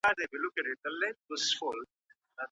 که په ژمي کي کارګرانو ته تودي جامې ورکړل سي، نو هغوی نه یخیږي.